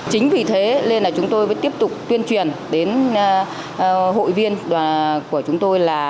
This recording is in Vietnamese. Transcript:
chính vì thế nên là chúng tôi tiếp tục tuyên truyền đến hội viên của chúng tôi là